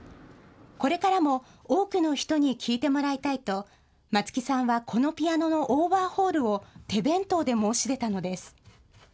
これからも多くの人に聴いてもらいたいと、松木さんはこのピアノのオーバーホールを手弁当で申し出たのです。